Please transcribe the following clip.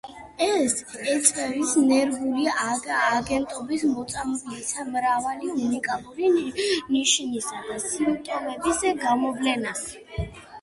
ეს იწვევს ნერვული აგენტის მოწამვლის მრავალი უნიკალური ნიშნისა და სიმპტომების გამოვლენას.